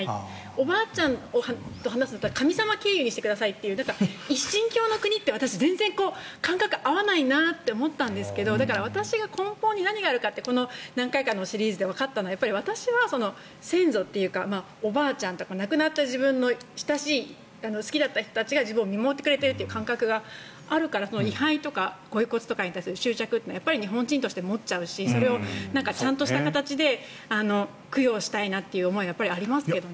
おばあちゃんと話なら神様経由にしてくださいというだから、一神教の国って私、感覚合わないなって思ったんですがだから私が根本に何があるかと何回かのシリーズでわかったのは私は先祖というかおばあちゃんとか亡くなった、自分の親しい好きだった人が自分を見守ってくれているという感覚があるからご位牌とかご遺骨に対する執着って日本人として持っちゃうしそれをちゃんとした形で供養したいなという思いがありますけどね。